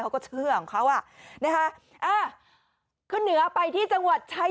เขาก็เชื่อของเขาอ่ะนะคะอ่าขึ้นเหนือไปที่จังหวัดชัย